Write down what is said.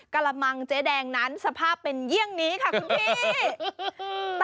กระมังเจ๊แดงนั้นสภาพเป็นเยี่ยงนี้ค่ะคุณพี่